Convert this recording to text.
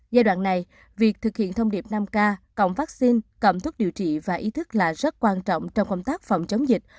giai đoạn này việc thực hiện thông điệp năm k cộng vaccine cầm thuốc điều trị và ý thức là rất quan trọng trong công tác phòng chống dịch